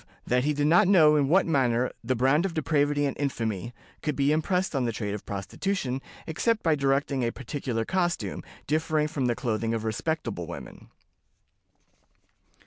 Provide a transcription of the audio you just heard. That he did not know in what manner 'the brand of depravity and infamy' could be impressed on the trade of prostitution, except by directing a particular costume, differing from the clothing of respectable women."